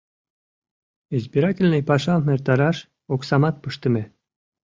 Избирательный пашам эртараш оксамат пыштыме.